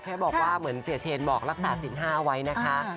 แค่บอกว่าเหมือนเสียเชนบอกรักษาสินห้าเอาไว้นะคะ